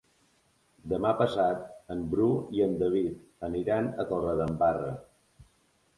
Demà passat en Bru i en David aniran a Torredembarra.